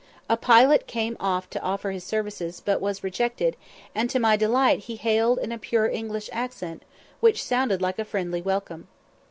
A pilot came off to offer his services, but was rejected, and to my delight he hailed in a pure English accent, which sounded like a friendly welcome.